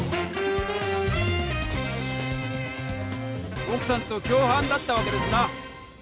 奥さんと共犯だったわけですな！